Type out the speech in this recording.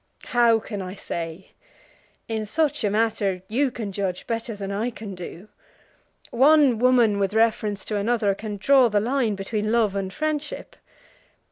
"How can I say? In such a matter you can judge better than I can do. One woman with reference to another can draw the line between love and friendship.